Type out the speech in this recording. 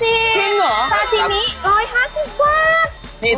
คือซาซิมี่๑๕๐บาท